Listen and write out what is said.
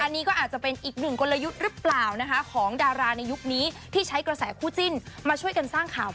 อันนี้ก็อาจจะเป็นอีกหนึ่งกลยุทธ์หรือเปล่านะคะของดาราในยุคนี้ที่ใช้กระแสคู่จิ้นมาช่วยกันสร้างข่าว